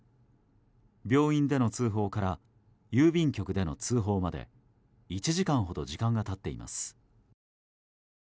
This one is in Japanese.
病院での通報から郵便局での通報まで１時間ほど時間が経っています。